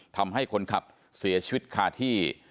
ทำให้คนขับเสียชีวิตคาที่